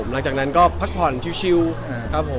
หลังจากนั้นก็พักผ่อนช่วย